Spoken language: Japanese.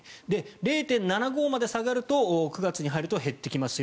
０．７５まで下がると９月に入ると減ってきますよ